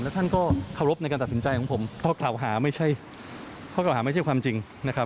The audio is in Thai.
ซึ่งก็เคารพในการตัดสินใจของผมเพราะเก่าหาไม่ใช่ความจริงนะครับ